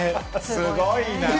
すごいな。